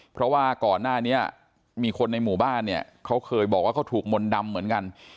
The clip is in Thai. เพราะว่าก่อนหน้านี้มีคนในหมู่บ้านเนี่ยเขาเคยบอกว่าเขาถูกมนต์ดำเหมือนกัน